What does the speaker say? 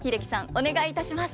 お願いいたします。